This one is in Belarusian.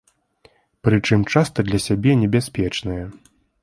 Прычым, часта для сябе небяспечнае.